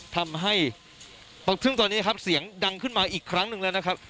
ทำให้ซึ่งตอนนี้ครับเสียงดังขึ้นมาอีกครั้งหนึ่งแล้วนะครับ